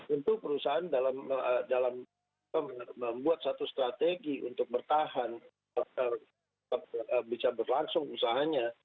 untuk perusahaan dalam membuat satu strategi untuk bertahan bisa berlangsung usahanya